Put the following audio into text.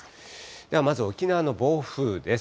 ではまず沖縄の暴風です。